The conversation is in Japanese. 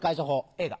映画。